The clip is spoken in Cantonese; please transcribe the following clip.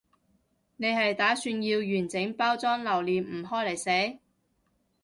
你係打算要完整包裝留念唔開嚟食？